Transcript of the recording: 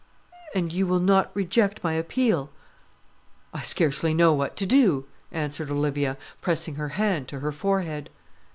"And you will not reject my appeal?" "I scarcely know what to do," answered Olivia, pressing her hand to her forehead.